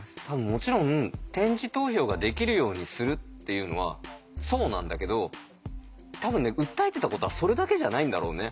もちろん点字投票ができるようにするっていうのはそうなんだけど多分ね訴えてたことはそれだけじゃないんだろうね。